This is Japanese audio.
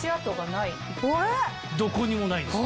どこにもないんですね。